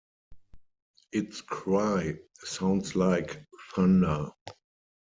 Its cry sounds like thunder.